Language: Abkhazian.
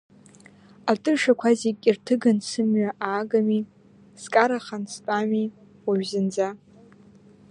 Атышақәа зегь ирҭыган сымҩа аагами, скарахан стәами уажә зынӡа.